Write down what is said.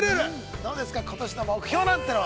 どうですかことしの目標なんてのは？